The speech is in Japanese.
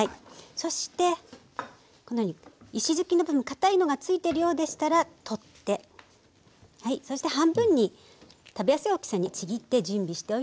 そしてこのように石突きなどかたいのが付いているようでしたら取って半分に食べやすい大きさにちぎって準備しておいて下さい。